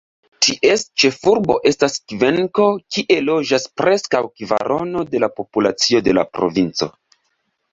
Ties ĉefurbo estas Kvenko, kie loĝas preskaŭ kvarono de la populacio de la provinco.